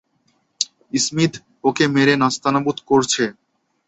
Smith ওকে মেরে নাস্তানাবুদ করছে।